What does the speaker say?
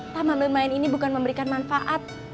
taman bermain ini bukan memberikan manfaat